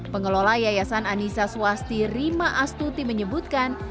pengelola yayasan anissa swasti rima astuti menyebutkan